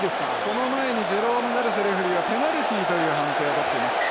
その前にジェロームガロセレフェリーがペナルティーという判定をとっています。